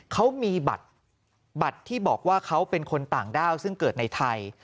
เขามีบัตรที่บอกว่าเขาเป็นคนต่างด้าวซึ่งเกิดในไทย